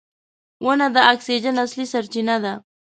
• ونه د اکسیجن اصلي سرچینه ده.